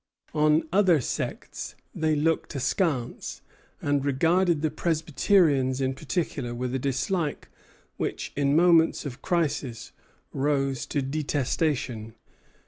On other sects they looked askance; and regarded the Presbyterians in particular with a dislike which in moments of crisis rose to detestation.